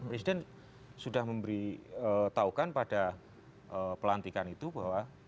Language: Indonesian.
presiden sudah memberi tahukan pada pelantikan itu bahwa